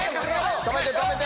止めて止めて！